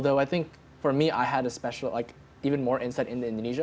untuk saya saya memiliki pendidikan yang lebih spesial di indonesia